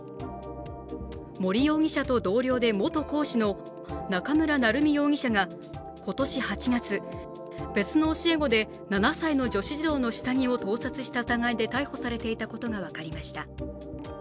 森容疑者と同僚で元講師の中村成美容疑者が今年８月、別の教え子で７歳の女子児童の下着を盗撮した疑いで逮捕されていたことが分かりました。